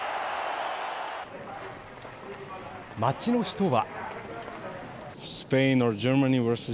街の人は。